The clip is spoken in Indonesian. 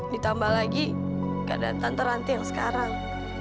ditambah lagi keadaan tante ranti yang sekarang